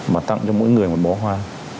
mà tặng cho mỗi người một bó hoa